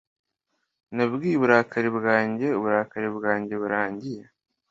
Nabwiye uburakari bwanjye, uburakari bwanjye burangiye.